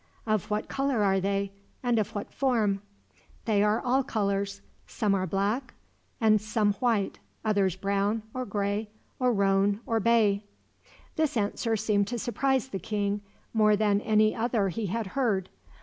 "Of what color are they, and of what form?" "They are all colors: some are black, and some white, others brown, or gray, or roan, or bay." This answer seemed to surprise the king more than any other he had heard.